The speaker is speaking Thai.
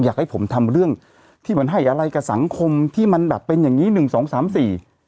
อยากให้ผมทำเรื่องที่เหมือนให้อะไรกับสังคมที่มันแบบเป็นอย่างงี้หนึ่งสองสามสี่